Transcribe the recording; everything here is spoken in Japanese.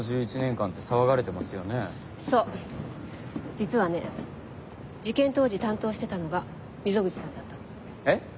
実はね事件当時担当してたのが溝口さんだったの。え？